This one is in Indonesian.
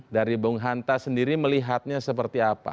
dari bung hanta sendiri melihatnya seperti apa